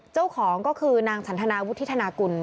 เจ้าของนางก็คือชันธนาวุฒิธนากุล